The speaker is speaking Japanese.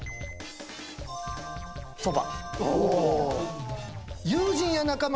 そば。